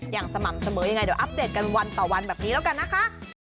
อย่างสม่ำเสมอยังไงเดี๋ยวอัปเดตกันวันต่อวันแบบนี้แล้วกันนะคะ